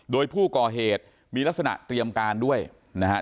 โดยผู้ก่อเหตุมีลักษณะเตรียมการด้วยนะครับ